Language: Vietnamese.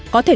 có thể nói